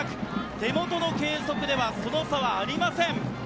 手元の計測では、その差はありません。